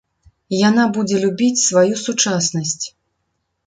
Яна будзе любіць сваю сучаснасць.